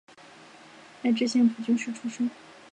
爱知县蒲郡市出身。